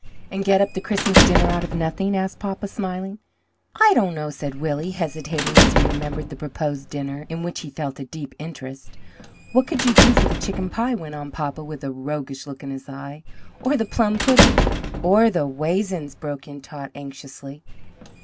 "And get up the Christmas dinner out of nothing?" asked papa, smiling. "I don't know," said Willie, hesitating, as he remembered the proposed dinner, in which he felt a deep interest. "What could you do for the chicken pie?" went on papa with a roguish look in his eye, "or the plum pudding?" "Or the waisins?" broke in Tot anxiously.